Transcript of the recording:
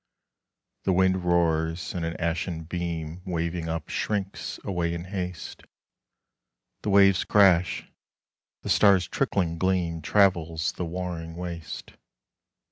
The wind roars, and an ashen beam Waving up shrinks away in haste. The waves crash. The star's trickling gleam Travels the warring waste.